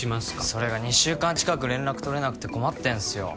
それが２週間近く連絡取れなくて困ってんすよ